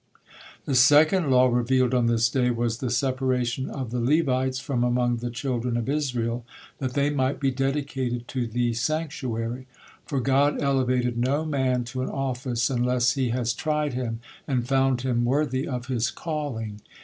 The second law revealed on this day was the separation of the Levites from among the children of Israel, that they might be dedicated to the sanctuary. "For God elevated no man to an office unless He has tried him and found him worthy of his calling."